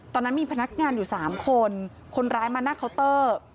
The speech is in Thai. ตอนนั้นมีพนักงานอยู่๓คนคนร้ายมาหน้าเคาน์เตอร์